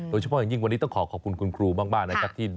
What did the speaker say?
โดยเฉพาะอย่างยิ่งวันนี้ต้องขอขอบคุณคุณครูมากนะครับ